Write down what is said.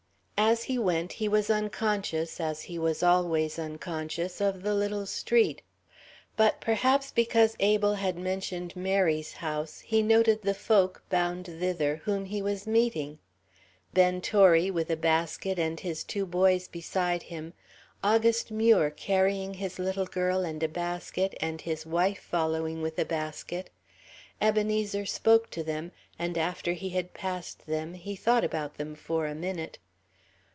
As he went he was unconscious, as he was always unconscious, of the little street. But, perhaps because Abel had mentioned Mary's house, he noted the folk, bound thither, whom he was meeting: Ben Torry, with a basket, and his two boys beside him; August Muir, carrying his little girl and a basket, and his wife following with a basket. Ebenezer spoke to them, and after he had passed them he thought about them for a minute.